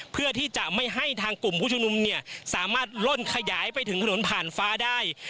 เพื่อที่จะไม่ให้ทางกลุ่มผู้ชุมนุมเนี่ยสามารถล่นขยายไปถึงถนนผ่านฟ้าได้